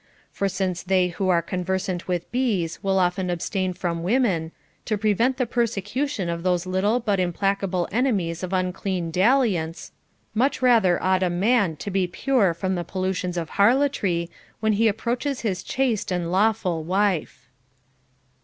For since they who are conversant with bees will often abstain from women, to prevent the persecution of those little but implacable enemies of unclean dalliance, much rather ought a man to be pure from the pollutions of harlotry, when he ap proaches his chaste and lawful wife.